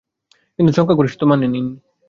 কিন্তু সংখ্যাগরিষ্ঠ তা মানেননি।